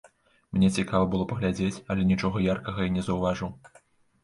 Мне цікава было паглядзець, але нічога яркага я не заўважыў.